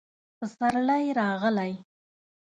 پسرلی راغلی